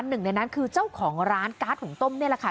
หนึ่งในนั้นคือเจ้าของร้านการ์ดหุงต้มนี่แหละค่ะ